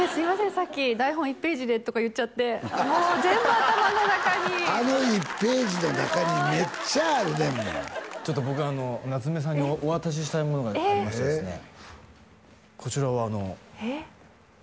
さっき台本１ページでとか言っちゃってもう全部頭の中にあの１ページの中にメッチャあるでちょっと僕あの夏目さんにお渡ししたいものがありましてこちらをあのええっ？